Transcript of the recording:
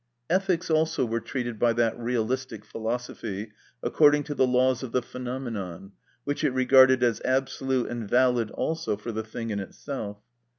Ethics also were treated by that realistic philosophy according to the laws of the phenomenon, which it regarded as absolute and valid also for the thing in itself.